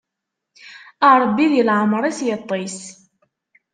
Ṛebbi di leɛmeṛ-is yeṭṭis.